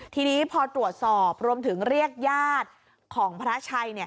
ทีนี้พอตรวจสอบรวมถึงเรียกญาติของพระชัยเนี่ย